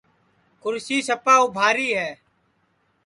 کُرسی سپا اُبھاری ہے